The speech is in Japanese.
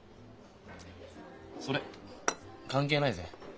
それ関係ないぜ。